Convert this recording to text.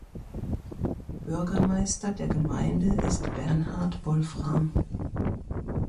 Bürgermeister der Gemeinde ist Bernhard Wolfram.